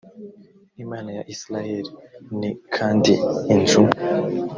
imana ya isirayeli n kandi inzu